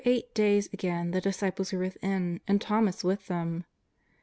387 After eiglit days again the disciples were within, and Thomas with them.